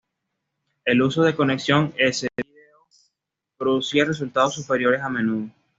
El uso de conexión S-Video producía resultados superiores a menudo.